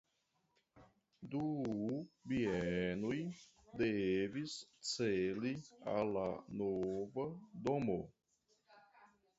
Du bienoj devis cedi al la nova domo.